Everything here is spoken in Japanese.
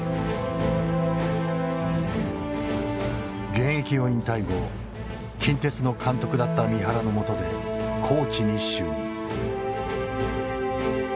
現役を引退後近鉄の監督だった三原のもとでコーチに就任。